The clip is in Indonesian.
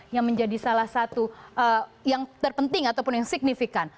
yang menjadi salah satu yang terpenting ataupun yang signifikan